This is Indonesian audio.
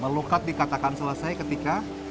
melukat dikatakan selesai ketika